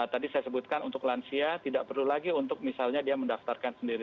tadi saya sebutkan untuk lansia tidak perlu lagi untuk misalnya dia mendaftarkan sendiri